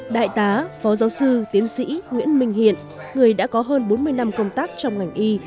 đại tá phó giáo sư tiến sĩ nguyễn minh hiện người đã có hơn bốn mươi năm công tác trong ngành y